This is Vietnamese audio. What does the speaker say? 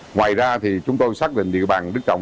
ngoài ra thì chúng tôi xác định địa bàn đứng cộng